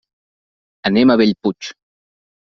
Anem a Bellpuig.